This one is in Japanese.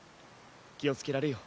気を付けられよ。